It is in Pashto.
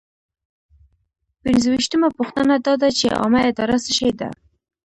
پنځویشتمه پوښتنه دا ده چې عامه اداره څه شی ده.